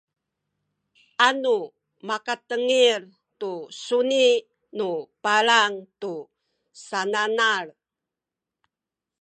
anu makatengil tu suni nu palang tu sananal